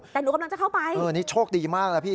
แต่หนูกำลังจะเข้าไปเออนี่โชคดีมากนะพี่